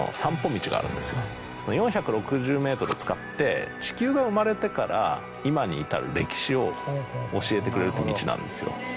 その４６０ｍを使って地球が生まれてから今に至る歴史を教えてくれるっていう道なんですよ。